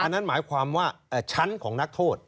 นั่นหมายความว่าชั้นของนักโทษ